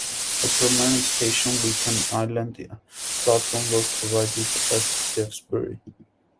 A permanent station with an island platform was provided at Dewsbury.